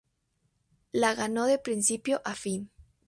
La ganó de principio a fin.